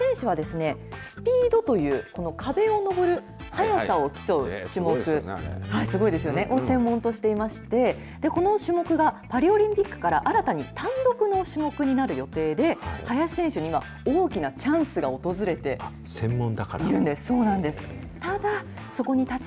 その林選手は、スピードという、この壁を登る速さを競う種目、すごいですよね、を専門としていまして、この種目がパリオリンピックから新たに単独の種目になる予定で、林選手には、大きなチャンスが訪れているんで専門だから。